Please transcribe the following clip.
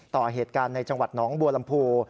ต่อเหตุการณ์ในจังหวัดหนองบัวลำพู